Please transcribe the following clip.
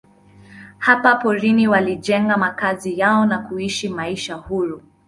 Hapa porini walijenga makazi yao na kuishi maisha huru.